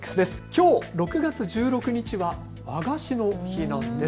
きょう６月１６日は和菓子の日なんです。